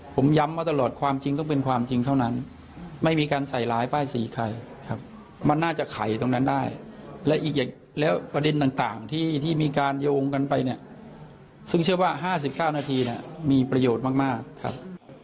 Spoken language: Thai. ผมย้ำมาตลอดความจริงก็เป็นความจริงเท่านั้นไม่มีการใส่ร้ายป้ายสีใครครับมันน่าจะไขตรงนั้นได้และอีกอย่างแล้วประเด็นต่างที่มีการโยงกันไปเนี่ยซึ่งเชื่อว่า๕๙นาทีเนี่ยมีประโยชน์มากครับ